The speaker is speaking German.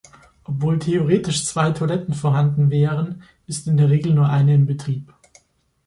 Obwohl theoretisch zwei Toiletten vorhanden wären, ist in der Regel nur eine in Betrieb.